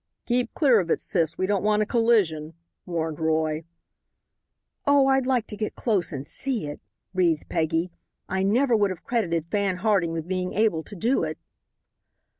"Keep clear of it, sis, we don't want a collision," warned Roy. "Oh, I'd like to get close and see it," breathed Peggy. "I never would have credited Fan Harding with being able to do it."